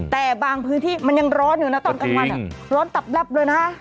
แต่บางพื้นที่มันยังร้อนอยู่นะตอนกลางวันร้อนตับแลบเลยนะ